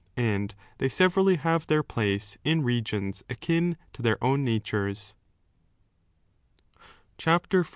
And they severally have their place in regions akin to their own naturea CHAPTER XIV.